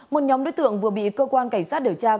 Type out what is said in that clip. một nhóm đối tượng vừa bị cơ quan cảnh sát điều tra công an